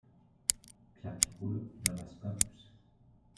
Pierre qui roule n’amasse pas mousse.